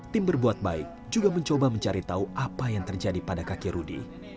tim berbuat baik juga mencoba mencari tahu apa yang terjadi pada kaki rudy